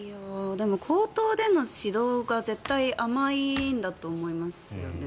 でも口頭での指導が絶対甘いんだと思いますよね。